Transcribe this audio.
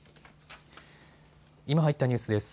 今入ったニュースです。